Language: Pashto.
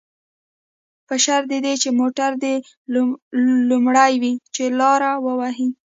په شرط د دې چې موټر دې لومړی وي، چې لاره ووهي.